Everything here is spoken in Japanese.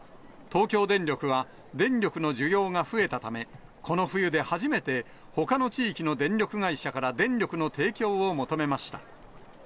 東京電力は、電力の需要が増えたため、この冬で初めてほかの地域の電力会社から電力の提供を求めました。